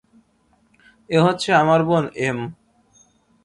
এ হচ্ছে আমার বোন এম।